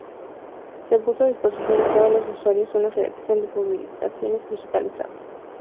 Se puso a disposición de todos los usuarios una selección de publicaciones digitalizadas.